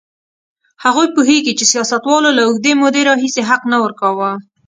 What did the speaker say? هغوی پوهېږي چې سیاستوالو له اوږدې مودې راهیسې حق نه ورکاوه.